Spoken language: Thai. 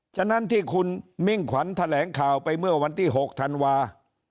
ฉะนั้นที่คุณมิ่งขวัญแถลงข่าวไปเมื่อวันที่๖ธันวา